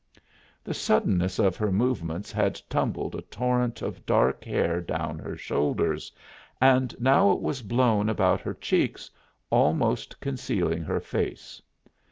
The suddenness of her movements had tumbled a torrent of dark hair down her shoulders, and now it was blown about her cheeks, almost concealing her face.